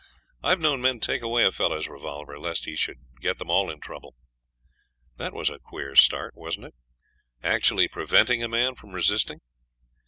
I have known men take away a fellow's revolver lest he should get them all into trouble. That was a queer start, wasn't it? Actually preventing a man from resisting.